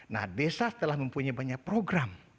nah desa telah mempunyai banyak program